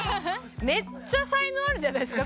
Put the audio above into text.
めっちゃ才能あるんじゃないですか？